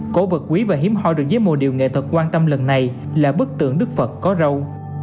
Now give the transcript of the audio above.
cố vật quý và hiếm hoi được giới mô điệu nghệ thuật quan tâm lần này là bức tượng đức phật có râu